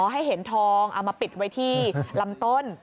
ให้เห็นทองเอามาปิดไว้ที่ลำต้น